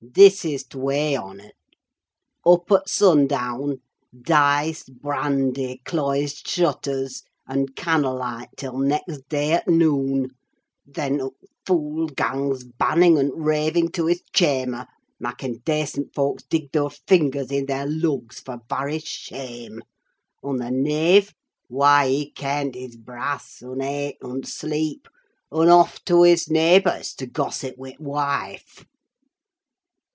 This is t' way on 't:—up at sun down: dice, brandy, cloised shutters, und can'le light till next day at noon: then, t' fooil gangs banning un raving to his cham'er, makking dacent fowks dig thur fingers i' thur lugs fur varry shame; un' the knave, why he can caint his brass, un' ate, un' sleep, un' off to his neighbour's to gossip wi' t' wife.